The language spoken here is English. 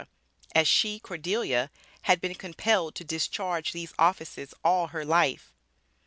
as she (Cordelia), had been compelled to discharge these offices all her life.